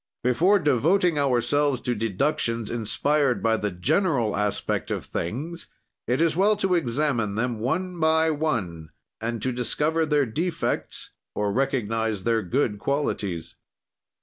"Before devoting ourselves to deductions inspired by the general aspect of things, it is well to examine them one by one and to discover their defects or recognize their good qualities.